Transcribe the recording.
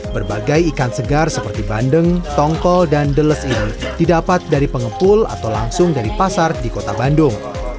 berbagai ikan segar seperti bandeng tongkol dan deles ini didapat dari pengepul atau langsung dari pasar di kota bandung